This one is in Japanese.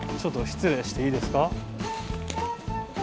失礼していいですか。